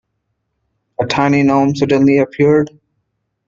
A tiny gnome suddenly appeared.